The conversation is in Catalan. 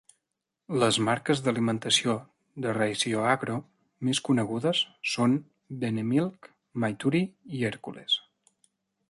Les marques d'alimentació de Raisioagro més conegudes són Benemilk, Maituri i Hercules.